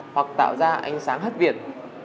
hoặc tạo ra ánh sáng hất việt